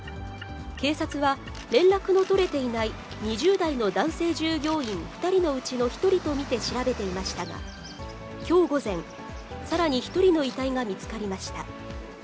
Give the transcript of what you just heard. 警察は、連絡の取れていない２０代の男性従業員２人のうちの１人と見て調べていましたが、きょう午前、さらに１人の遺体が見つかりました。